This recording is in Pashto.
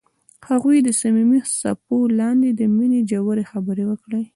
هغوی د صمیمي څپو لاندې د مینې ژورې خبرې وکړې.